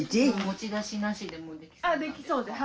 ・持ち出しなしでもできそう・できそうです